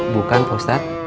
bukan pak ustadz